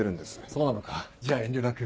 そうなのかじゃあ遠慮なく。